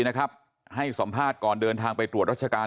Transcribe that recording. นะครับให้สัมภาษณ์ก่อนเดินทางไปตรวจรัชการ